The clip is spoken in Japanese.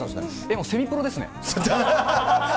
もう、セミプロですね。